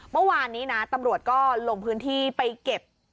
เมื่อวานนี้นะตำรวจก็ลงพื้นที่ไปเก็บ